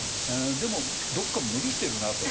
でもどこか無理してるなと。